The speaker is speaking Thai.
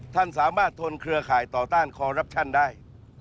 ท่านสามารถทนเครือข่ายต่อต้านคอรับชันได้